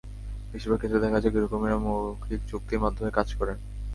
বেশির ভাগ ক্ষেত্রে দেখা যায়, গৃহকর্মীরা মৌখিক চুক্তির মাধ্যমে কাজ করেন।